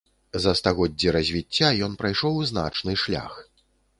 За стагоддзі развіцця ён прайшоў значны шлях.